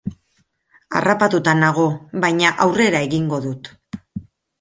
Harrapatuta nago, baina aurrera egingo dut.